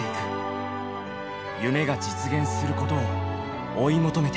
夢が実現することを追い求めて。